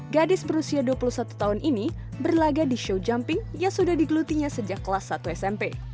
gadis berusia dua puluh satu tahun ini berlaga di show jumping yang sudah digelutinya sejak kelas satu smp